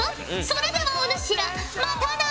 それではおぬしらまたな！